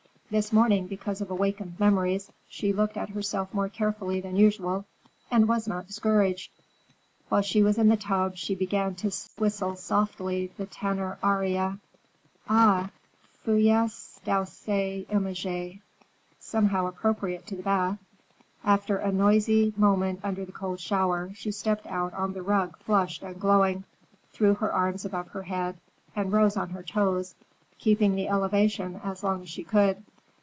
This morning, because of awakened memories, she looked at herself more carefully than usual, and was not discouraged. While she was in the tub she began to whistle softly the tenor aria, "Ah! Fuyez, douce image," somehow appropriate to the bath. After a noisy moment under the cold shower, she stepped out on the rug flushed and glowing, threw her arms above her head, and rose on her toes, keeping the elevation as long as she could.